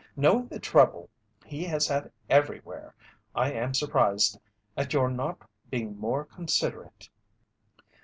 Knowing the trouble he has had everywhere, I am surprised at your not being more considerate."